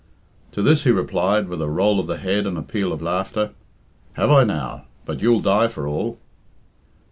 To this he replied, with a roll of the head and a peal of laughter, "Have I now? But you'll die for all."